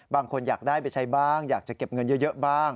บางคนอยากได้ไปใช้บ้างอยากจะเก็บเงินเยอะบ้าง